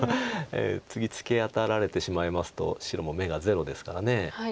次突き当たられてしまいますと白も眼がゼロですから。